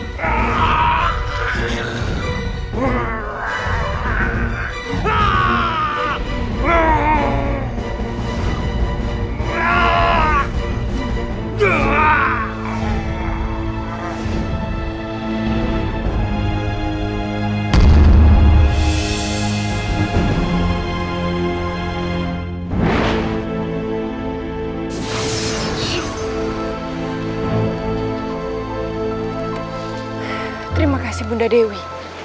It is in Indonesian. terima kasih bunda dewi